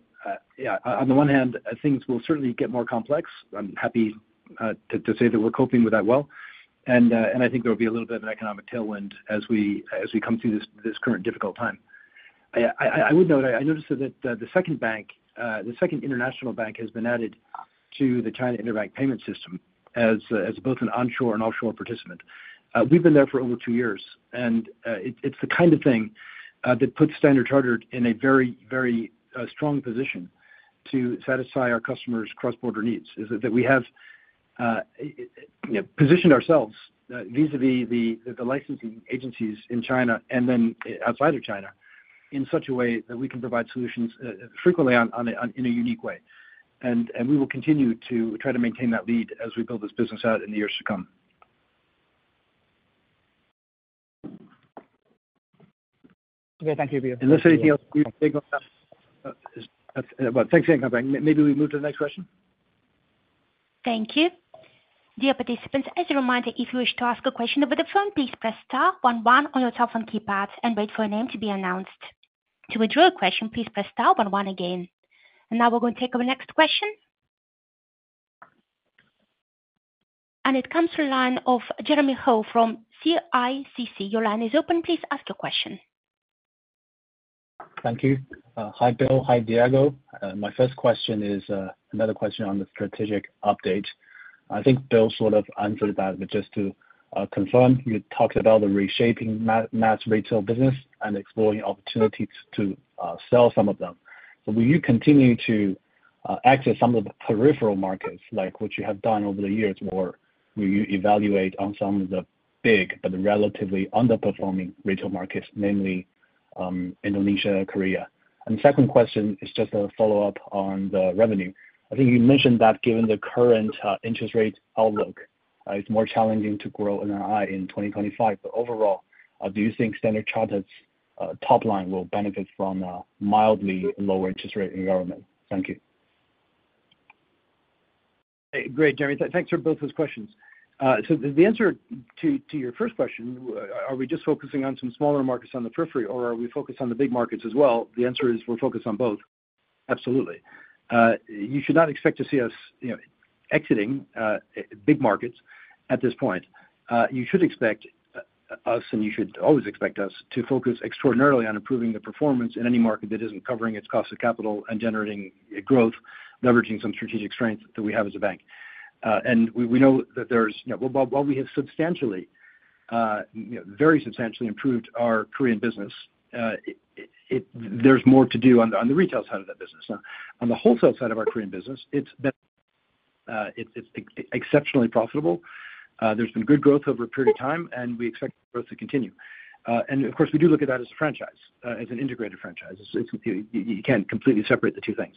on the one hand, things will certainly get more complex. I'm happy to say that we're coping with that well. And I think there will be a little bit of an economic tailwind as we come through this current difficult time. I would note I noticed that the second international bank has been added to the China Interbank Payment System as both an onshore and offshore participant. We've been there for over two years. It's the kind of thing that puts Standard Chartered in a very, very strong position to satisfy our customers' cross-border needs, is that we have positioned ourselves vis-à-vis the licensing agencies in China and then outside of China in such a way that we can provide solutions frequently in a unique way. We will continue to try to maintain that lead as we build this business out in the years to come. Okay. Thank you, Bill. Unless anything else comes up. Thanks again, Kunpeng. Maybe we move to the next question. Thank you. Dear participants, as a reminder, if you wish to ask a question over the phone, please press star one one on your telephone keypad and wait for your name to be announced. To withdraw a question, please press star one one again. And now we're going to take our next question. And it comes to the line of Jeremy Hugh from CICC. Your line is open. Please ask your question. Thank you. Hi, Bill. Hi, Diego. My first question is another question on the strategic update. I think Bill sort of answered that, but just to confirm, you talked about the reshaping mass retail business and exploring opportunities to sell some of them. So will you continue to access some of the peripheral markets like what you have done over the years, or will you evaluate on some of the big but relatively underperforming retail markets, namely Indonesia and Korea? And the second question is just a follow-up on the revenue. I think you mentioned that given the current interest rate outlook, it's more challenging to grow NII in 2025. But overall, do you think Standard Chartered's top line will benefit from a mildly lower interest rate environment? Thank you. Great, Jeremy. Thanks for both those questions. So the answer to your first question, are we just focusing on some smaller markets on the periphery, or are we focused on the big markets as well? The answer is we're focused on both. Absolutely. You should not expect to see us exiting big markets at this point. You should expect us, and you should always expect us, to focus extraordinarily on improving the performance in any market that isn't covering its cost of capital and generating growth, leveraging some strategic strength that we have as a bank. And we know that, while we have substantially, very substantially improved our Korean business, there's more to do on the retail side of that business. On the wholesale side of our Korean business, it's been exceptionally profitable. There's been good growth over a period of time, and we expect growth to continue. Of course, we do look at that as a franchise, as an integrated franchise. You can't completely separate the two things.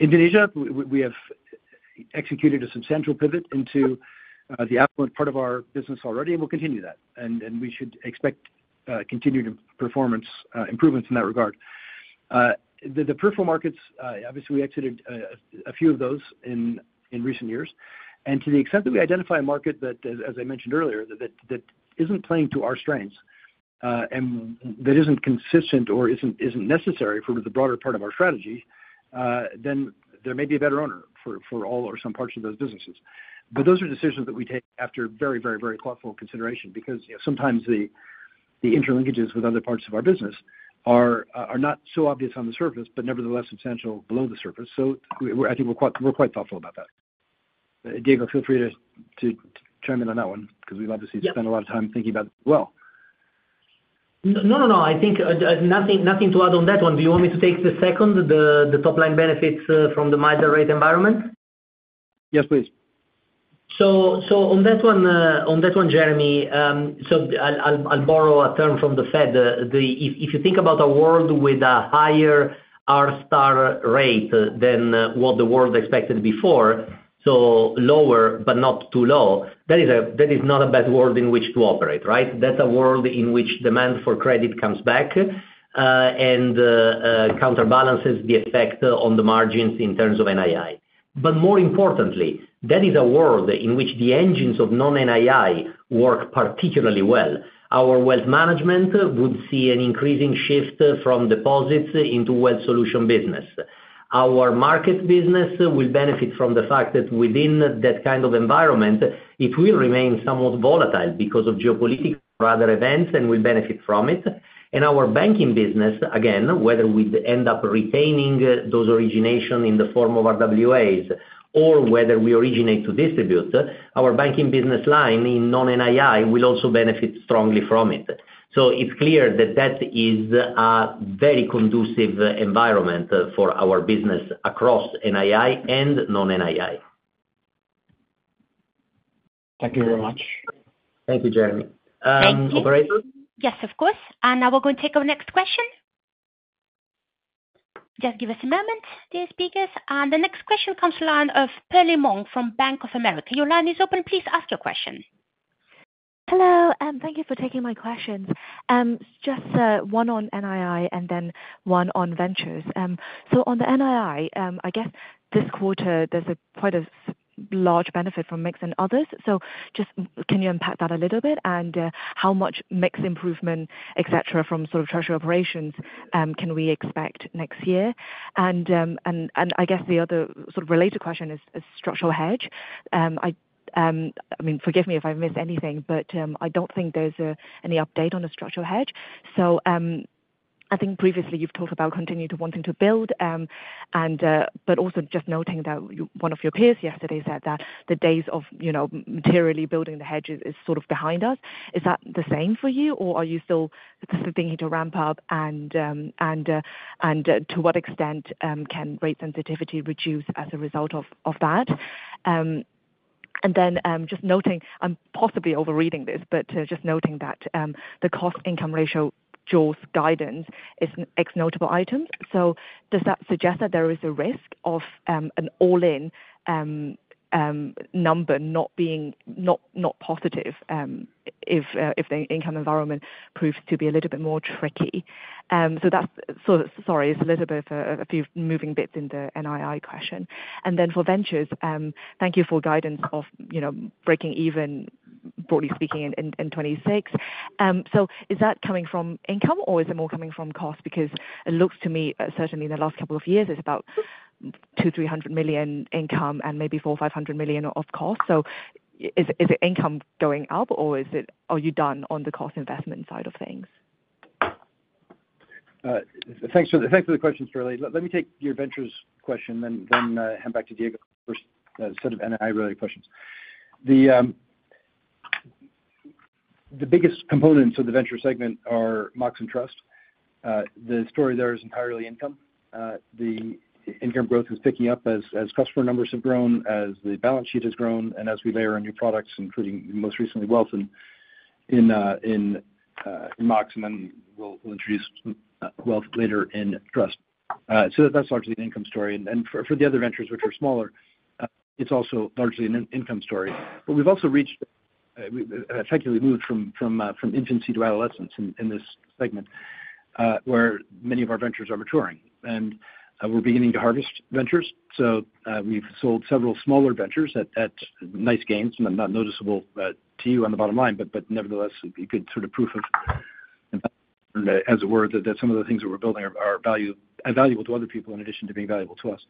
Indonesia, we have executed a substantial pivot into the affluent part of our business already, and we'll continue that. We should expect continued performance improvements in that regard. The peripheral markets, obviously, we exited a few of those in recent years. To the extent that we identify a market that, as I mentioned earlier, that isn't playing to our strengths and that isn't consistent or isn't necessary for the broader part of our strategy, then there may be a better owner for all or some parts of those businesses. Those are decisions that we take after very, very, very thoughtful consideration because sometimes the interlinkages with other parts of our business are not so obvious on the surface, but nevertheless substantial below the surface. So I think we're quite thoughtful about that. Diego, feel free to chime in on that one because we'd love to see you spend a lot of time thinking about it as well. No, no, no. I think nothing to add on that one. Do you want me to take the second, the top line benefits from the milder rate environment? Yes, please. So on that one, Jeremy, so I'll borrow a term from the Fed. If you think about a world with a higher R-star rate than what the world expected before, so lower but not too low, that is not a bad world in which to operate, right? That's a world in which demand for credit comes back and counterbalances the effect on the margins in terms of NII. But more importantly, that is a world in which the engines of non-NII work particularly well. Our wealth management would see an increasing shift from deposits into Wealth Solutions business. Our market business will benefit from the fact that within that kind of environment, it will remain somewhat volatile because of geopolitics or other events and will benefit from it. Our banking business, again, whether we end up retaining those originations in the form of RWAs or whether we originate to distribute, our banking business line in non-NII will also benefit strongly from it. It's clear that that is a very conducive environment for our business across NII and non-NII. Thank you very much. Thank you, Jeremy. Thank you. Operators? Yes, of course. And now we're going to take our next question. Just give us a moment, dear speakers. And the next question comes to the line of Perlie Mong from Bank of America. Your line is open. Please ask your question. Hello. Thank you for taking my questions. Just one on NII and then one on ventures. So on the NII, I guess this quarter, there's quite a large benefit from mix and others. So just can you unpack that a little bit? And how much mix improvement, etc., from sort of treasury operations can we expect next year? And I guess the other sort of related question is structural hedge. I mean, forgive me if I missed anything, but I don't think there's any update on the structural hedge. So I think previously you've talked about continuing to wanting to build, but also just noting that one of your peers yesterday said that the days of materially building the hedge is sort of behind us. Is that the same for you, or are you still thinking to ramp up? To what extent can rate sensitivity reduce as a result of that? And then just noting, I'm possibly overreading this, but just noting that the cost-income ratio jaws guidance is an ex-notable item. So does that suggest that there is a risk of an all-in number not being not positive if the income environment proves to be a little bit more tricky? So sorry, it's a little bit of a few moving bits in the NII question. And then for ventures, thank you for guidance of breaking even, broadly speaking, in 2026. So is that coming from income, or is it more coming from cost? Because it looks to me, certainly in the last couple of years, it's about $200 million-$300 million income and maybe $400 million-$500 million of cost. So is the income going up, or are you done on the cost investment side of things? Thanks for the question, Perlie. Let me take your ventures question, then hand back to Diego for a set of NII-related questions. The biggest components of the venture segment are Mox and Trust. The story there is entirely income. The income growth is picking up as customer numbers have grown, as the balance sheet has grown, and as we layer on new products, including most recently wealth in Mox, and then we'll introduce wealth later in Trust. So that's largely the income story. And for the other ventures, which are smaller, it's also largely an income story. But we've also effectively moved from infancy to adolescence in this segment, where many of our ventures are maturing. And we're beginning to harvest ventures. So we've sold several smaller ventures at nice gains, not noticeable to you on the bottom line, but nevertheless, a good sort of proof of, as it were, that some of the things that we're building are valuable to other people in addition to being valuable to us.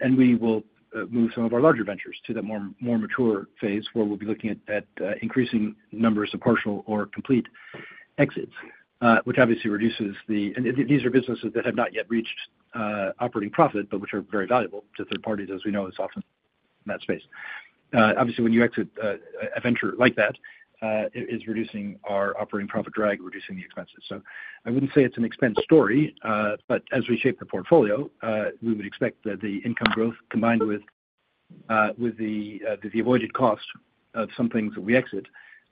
And we will move some of our larger ventures to the more mature phase where we'll be looking at increasing numbers of partial or complete exits, which obviously reduces the and these are businesses that have not yet reached operating profit, but which are very valuable to third parties, as we know is often in that space. Obviously, when you exit a venture like that, it is reducing our operating profit drag, reducing the expenses. So I wouldn't say it's an expense story, but as we shape the portfolio, we would expect that the income growth combined with the avoided cost of some things that we exit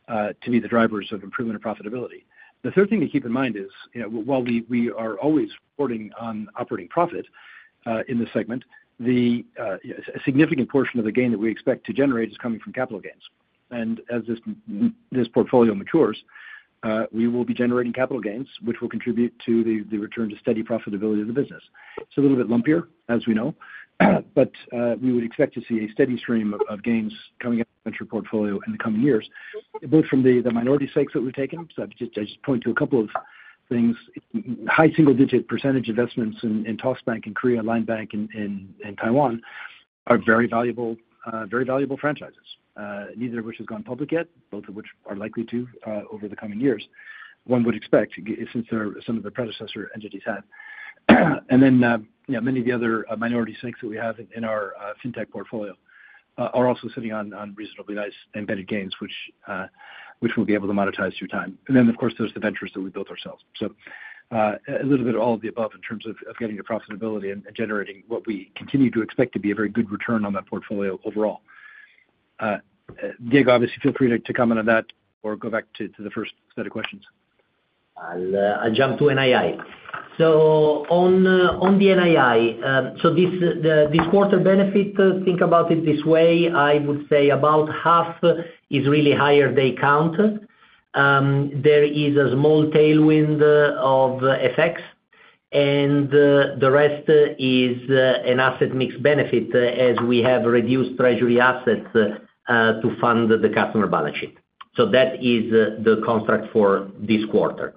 to be the drivers of improvement of profitability. The third thing to keep in mind is, while we are always reporting on operating profit in this segment, a significant portion of the gain that we expect to generate is coming from capital gains, and as this portfolio matures, we will be generating capital gains, which will contribute to the return to steady profitability of the business. It's a little bit lumpier, as we know, but we would expect to see a steady stream of gains coming out of the venture portfolio in the coming years, both from the minority stakes that we've taken, so I just point to a couple of things. High single-digit % investments in Toss Bank in Korea, LINE Bank in Taiwan are very valuable franchises, neither of which has gone public yet, both of which are likely to over the coming years, one would expect, since some of the predecessor entities have. And then many of the other minority stakes that we have in our fintech portfolio are also sitting on reasonably nice embedded gains, which we'll be able to monetize through time. And then, of course, there's the ventures that we built ourselves. So a little bit of all of the above in terms of getting to profitability and generating what we continue to expect to be a very good return on that portfolio overall. Diego, obviously, feel free to comment on that or go back to the first set of questions. I'll jump to NII. So on the NII, so this quarter benefit, think about it this way, I would say about half is really higher day count. There is a small tailwind of FX, and the rest is an asset mix benefit as we have reduced treasury assets to fund the customer balance sheet. So that is the construct for this quarter.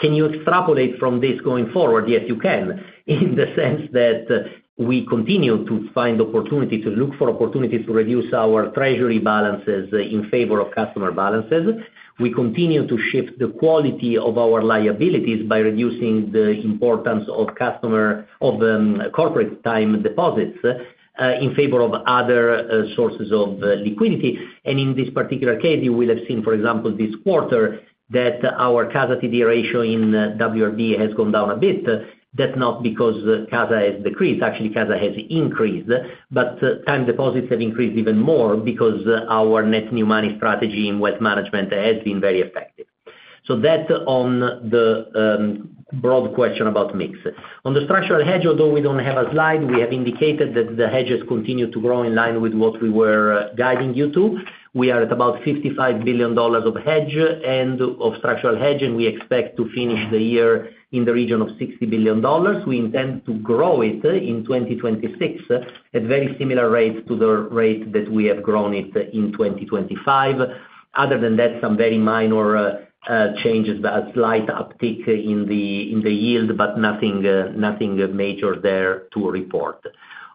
Can you extrapolate from this going forward? Yes, you can, in the sense that we continue to find opportunities to reduce our treasury balances in favor of customer balances. We continue to shift the quality of our liabilities by reducing the importance of corporate time deposits in favor of other sources of liquidity. And in this particular case, you will have seen, for example, this quarter that our CASA TD ratio in WRB has gone down a bit. That's not because CASA has decreased. Actually, CASA has increased, but time deposits have increased even more because our net new money strategy in wealth management has been very effective. So that on the broad question about mix. On the structural hedge, although we don't have a slide, we have indicated that the hedges continue to grow in line with what we were guiding you to. We are at about $55 billion of hedge and of structural hedge, and we expect to finish the year in the region of $60 billion. We intend to grow it in 2026 at very similar rates to the rate that we have grown it in 2025. Other than that, some very minor changes, a slight uptick in the yield, but nothing major there to report.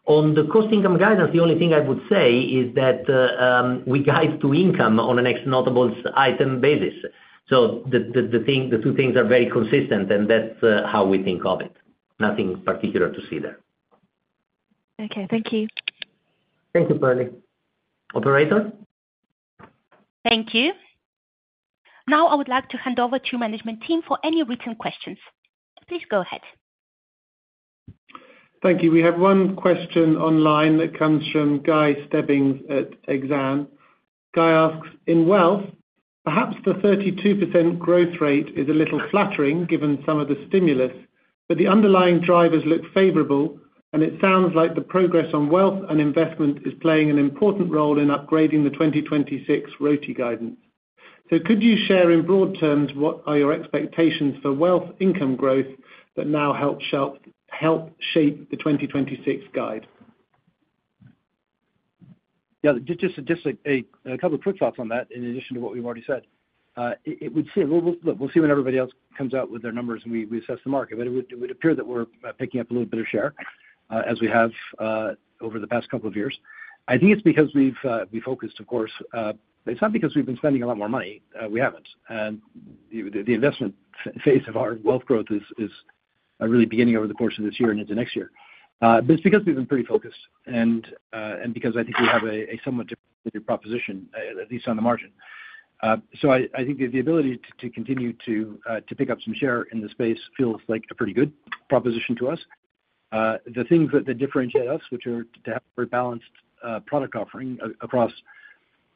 On the cost-income guidance, the only thing I would say is that we guide to income on an ex-notable item basis. So the two things are very consistent, and that's how we think of it. Nothing particular to see there. Okay. Thank you. Thank you, Perlie. Operator? Thank you. Now I would like to hand over to management team for any written questions. Please go ahead. Thank you. We have one question online that comes from Guy Stebbings at Exane. Guy asks, "In wealth, perhaps the 32% growth rate is a little flattering given some of the stimulus, but the underlying drivers look favorable, and it sounds like the progress on wealth and investment is playing an important role in upgrading the 2026 ROTE guidance. So could you share in broad terms what are your expectations for wealth income growth that now help shape the 2026 guide? Yeah. Just a couple of quick thoughts on that in addition to what we've already said. It would seem. Look, we'll see when everybody else comes out with their numbers and we assess the market. But it would appear that we're picking up a little bit of share as we have over the past couple of years. I think it's because we've focused, of course. It's not because we've been spending a lot more money. We haven't. And the investment phase of our wealth growth is really beginning over the course of this year and into next year. But it's because we've been pretty focused and because I think we have a somewhat different proposition, at least on the margin. So I think the ability to continue to pick up some share in the space feels like a pretty good proposition to us. The things that differentiate us, which are to have a very balanced product offering across,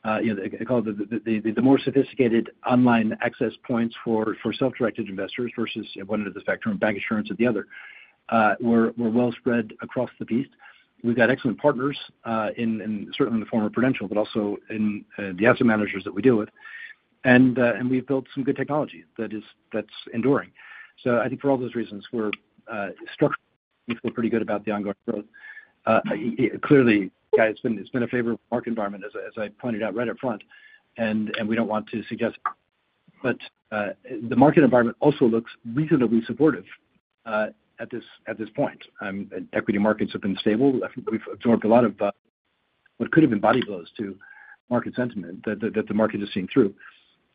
the more sophisticated online access points for self-directed investors versus one end of the spectrum, bank insurance at the other, we're well spread across the piece. We've got excellent partners, and certainly in the former Prudential, but also in the asset managers that we deal with, and we've built some good technology that's enduring, so I think for all those reasons, we're structurally pretty good about the ongoing growth. Clearly, it's been a favorable market environment, as I pointed out right up front, and we don't want to suggest, but the market environment also looks reasonably supportive at this point. Equity markets have been stable. We've absorbed a lot of what could have been body blows to market sentiment that the market is seeing through.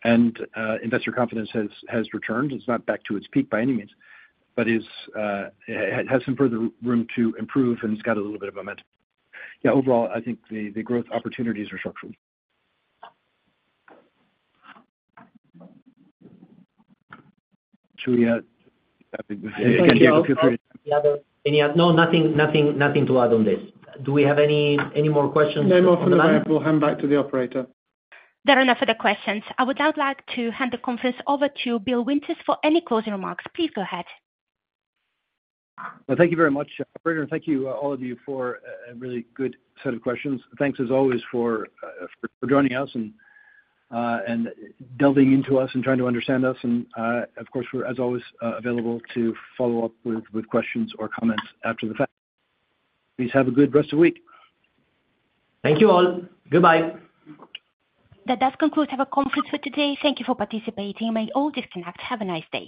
And investor confidence has returned. It's not back to its peak by any means, but it has some further room to improve, and it's got a little bit of momentum. Yeah. Overall, I think the growth opportunities are structural. Should we, again, Diego, feel free to, Any other? No, nothing to add on this. Do we have any more questions? Name off the line. We'll hand back to the operator. There are no further questions. I would now like to hand the conference over to Bill Winters for any closing remarks. Please go ahead. Thank you very much, Operator, and thank you all of you for a really good set of questions. Thanks, as always, for joining us and delving into us and trying to understand us. Of course, we're, as always, available to follow up with questions or comments after the fact. Please have a good rest of the week. Thank you all. Goodbye. That does conclude our conference for today. Thank you for participating. May all who disconnect have a nice day.